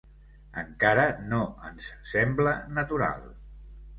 Encara no ens sembla natural